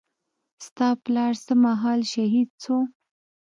ستا پلار څه مهال شهيد سو.